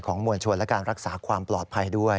มวลชนและการรักษาความปลอดภัยด้วย